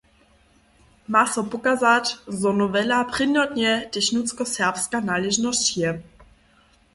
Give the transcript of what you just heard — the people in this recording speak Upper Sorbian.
Ma so pokazać, zo nowela prěnjotnje tež nutřkoserbska naležnosć je.